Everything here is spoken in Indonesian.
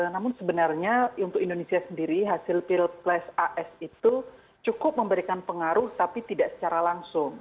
namun sebenarnya untuk indonesia sendiri hasil pilpres as itu cukup memberikan pengaruh tapi tidak secara langsung